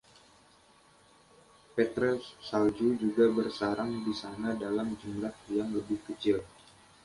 Petrel salju juga bersarang di sana dalam jumlah yang lebih kecil.